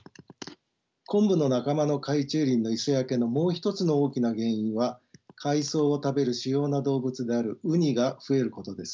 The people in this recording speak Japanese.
コンブの仲間の海中林の磯焼けのもう一つの大きな原因は海藻を食べる主要な動物であるウニが増えることです。